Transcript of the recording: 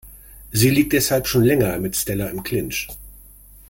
Sie liegt deshalb schon länger mit Stella im Clinch.